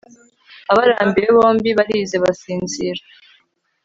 abarambiwe bombi barize basinzira